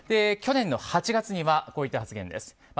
去年の８月にはこういった発言です。